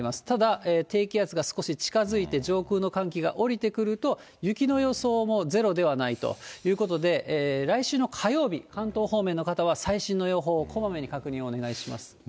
ただ、低気圧が少し近づいて、上空の寒気が下りてくると、雪の予想もゼロではないということで、来週の火曜日、関東方面の方は、最新の予報をこまめに確認をお願いします。